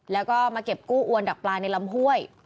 แล้วก็มาเก็บกู้อวนดักปลาในลำห้วย